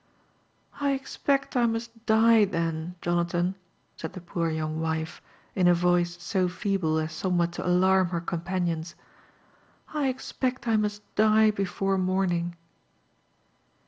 I expect I must die then, Jonathan,'* saitf the poor ^oung wife, iir a voice soffeeble as somewhat to alarni her companions, —'* I expect I must die before morning."